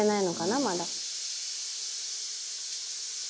まだ」